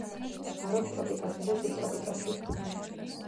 ხარობს ტროპიკებსა და სუბტროპიკებში.